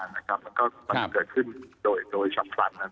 มันก็เกิดขึ้นโดยชับฟัน